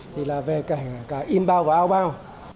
thì là về cả in bao và out bao